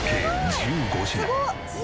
「１５品！？」